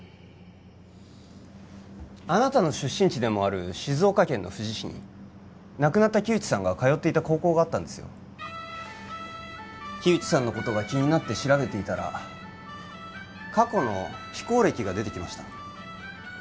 あなたの出身地でもある静岡県の富士市に亡くなった木内さんが通っていた高校があったんですよ木内さんのことが気になって調べていたら過去の非行歴が出てきました